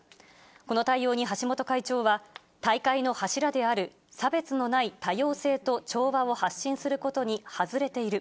この対応に橋本会長は、大会の柱である差別のない多様性と調和を発信することに外れている。